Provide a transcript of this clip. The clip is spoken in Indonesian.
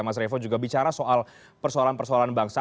mas revo juga bicara soal persoalan persoalan bangsa